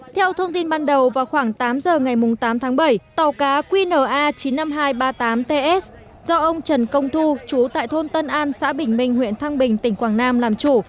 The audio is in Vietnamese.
theo thông tin ban đầu vào khoảng tám giờ ngày tám tháng bảy tàu cá qna chín mươi năm nghìn hai trăm ba mươi tám ts do ông trần công thu chú tại thôn tân an xã bình minh huyện thăng bình tỉnh quảng nam làm chủ